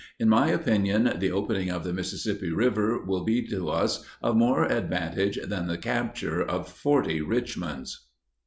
In my opinion, the opening of the Mississippi River will be to us of more advantage than the capture of forty Richmonds.